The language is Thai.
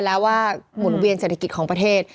แล้วว่าหมุนเวียนเศรษฐกิจของประเทศ